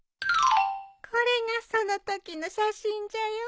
これがそのときの写真じゃよ。